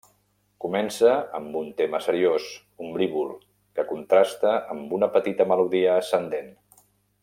Comença amb un tema seriós, ombrívol, que contrasta amb una petita melodia ascendent.